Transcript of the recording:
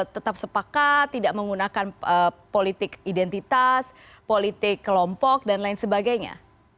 tetap sepakat tidak menggunakan politik identitas politik kelompok dan lain sebagainya